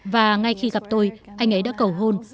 và ngay khi gặp tôi anh ấy đã cầu hôn